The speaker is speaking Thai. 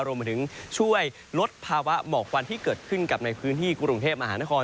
รวมถึงช่วยลดภาวะหมอกควันที่เกิดขึ้นกับในพื้นที่กรุงเทพมหานคร